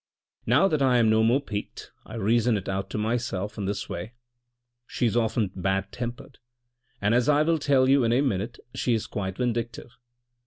Now that I am no more piqued I reason it out to myself in this way ; she is often bad tempered, and as I will tell you in a minute, she is quite vindictive.